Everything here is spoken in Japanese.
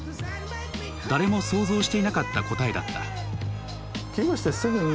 誰も想像していなかった答えだった。